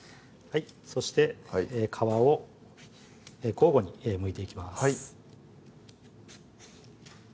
そして皮を交互にむいていきます